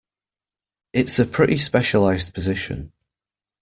It's a pretty specialized position.